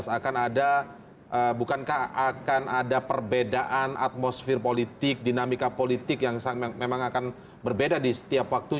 akan ada bukankah akan ada perbedaan atmosfer politik dinamika politik yang memang akan berbeda di setiap waktu